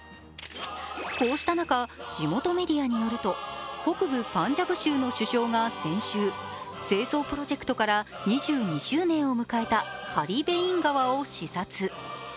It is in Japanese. こうした中、地元メディアによると北部パンジャブ州の首相が先週、清掃プロジェクトから２２周年を迎えたカリ・ベイン川を視察。